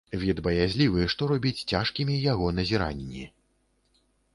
Від баязлівы, што робіць цяжкімі яго назіранні.